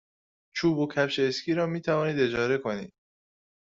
چوب و کفش اسکی را می توانید اجاره کنید.